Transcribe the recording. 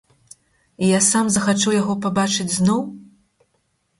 І я сам захачу яго пабачыць зноў?